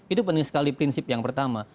itu penting sekali prinsip yang pertama